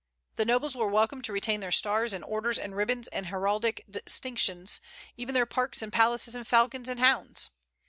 The nobles were welcome to retain their stars and orders and ribbons and heraldic distinctions, even their parks and palaces and falcons and hounds.